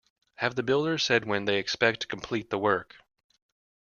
Have the builders said when they expect to complete the work?